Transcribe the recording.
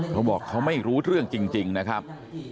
เขาบอกเขาไม่รู้เรื่องจริงนะครับ